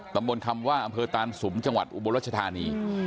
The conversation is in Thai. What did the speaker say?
ตำบลคำว่าอำเภอตานสุมจังหวัดอุบลรัชธานี